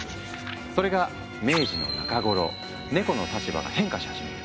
それが明治の中頃ネコの立場が変化し始める。